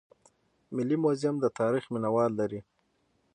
ملي موزیم د تاریخ مینه وال لري